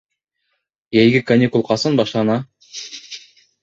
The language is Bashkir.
Йәйге каникул ҡасан башлана?